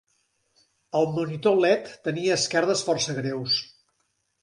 El monitor LED tenia esquerdes força greus.